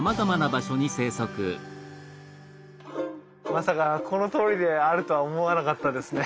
まさかこの通りであるとは思わなかったですね。